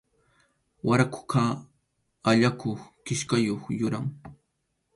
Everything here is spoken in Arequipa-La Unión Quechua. Waraquqa allakuq kichkayuq yuram.